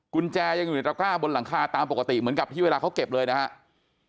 กุญแจยังอยู่ในตระก้าบนหลังคาตามปกติเหมือนกับที่เวลาเขาเก็บเลยนะครับ